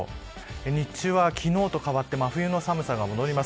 日中は昨日と変わって真冬の寒さが戻ります。